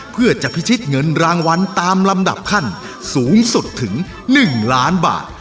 เพื่อจะพิชิตเงินรางวัลตามลำดับขั้นสูงสุดถึง๑ล้านบาท